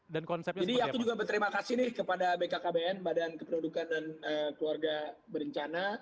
aku juga berterima kasih nih kepada bkkbn badan kependudukan dan keluarga berencana